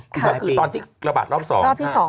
ก็คือตอนที่ระบาดรอบ๒